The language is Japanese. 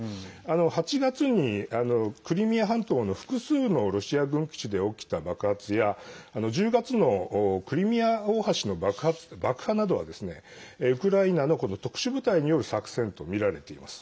８月にクリミア半島の複数のロシア軍基地で起きた爆発や１０月のクリミア大橋の爆破などはウクライナの特殊部隊による作戦と見られています。